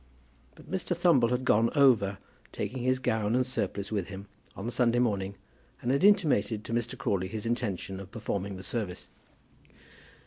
But Mr. Thumble had gone over, taking his gown and surplice with him, on the Sunday morning, and had intimated to Mr. Crawley his intention of performing the service.